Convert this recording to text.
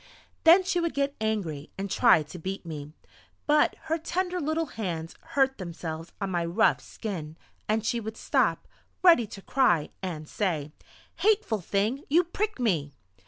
Then she would get angry and try to beat me. But her tender little hands hurt themselves on my rough skin, and she would stop, ready to cry, and say: "Hateful thing! You prick me!"